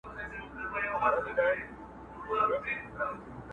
د ودانیو معمارانو ته ځي!.